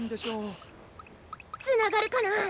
つながるかな？